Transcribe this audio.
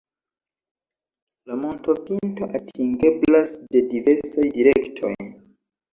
La montopinto atingeblas de diversaj direktoj.